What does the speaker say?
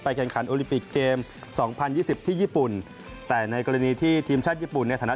พอคือเขาเคยถึงตั้งแบบนี้เลยนะครับ